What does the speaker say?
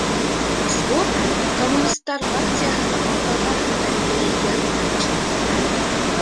Сбор Коммунистар партияһына арналған күтәренке йыр менән башланды.